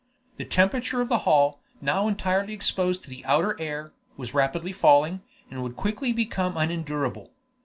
The temperature of the hall, now entirely exposed to the outer air, was rapidly falling, and would quickly become unendurable.